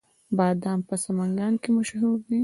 بادام په سمنګان کې مشهور دي